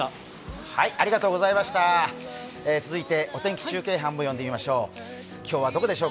続いてお天気中継班も呼んでみましょう。